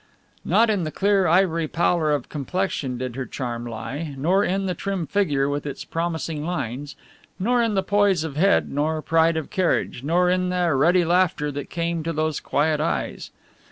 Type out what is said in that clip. Not in the clear ivory pallor of complexion did her charm lie. Nor in the trim figure with its promising lines, nor in the poise of head nor pride of carriage, nor in the ready laughter that came to those quiet eyes.